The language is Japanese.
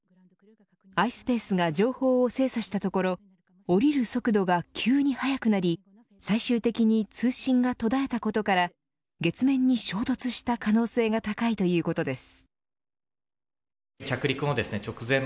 ｉｓｐａｃｅが情報を精査したところ降りる速度が急に速くなり最終的に通信が途絶えたことから月面に衝突した可能性が高いということです。